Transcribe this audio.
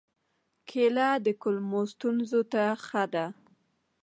کېله د کولمو ستونزو ته ښه ده.